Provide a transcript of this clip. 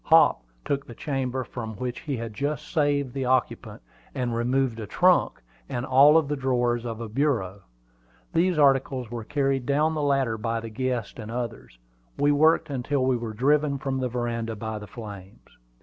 Hop took the chamber from which he had just saved the occupant, and removed a trunk and all the drawers of a bureau. These articles were carried down the ladder by the guests and others. We worked until we were driven from the veranda by the flames.